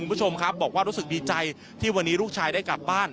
คุณผู้ชมครับบอกว่ารู้สึกดีใจที่วันนี้ลูกชายได้กลับบ้าน